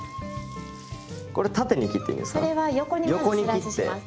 これ縦に切っていいんですか？